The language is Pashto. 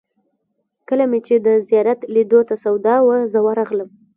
کله چې مې د زیارت لیدلو ته سودا وه، زه ورغلم.